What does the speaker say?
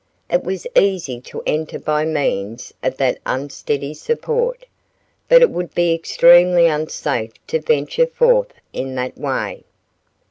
It was easy to enter by means of that unsteady support, but it would be extremely unsafe to venture forth in that way.